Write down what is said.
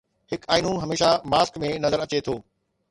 هڪ آئينو هميشه ماسڪ ۾ نظر اچي ٿو